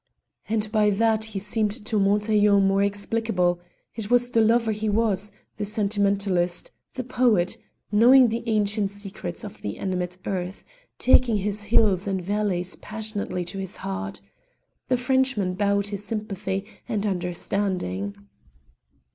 And by that he seemed to Montaiglon more explicable: it was the lover he was; the sentimentalist, the poet, knowing the ancient secret of the animate earth, taking his hills and valleys passionately to his heart. The Frenchman bowed his sympathy and understanding.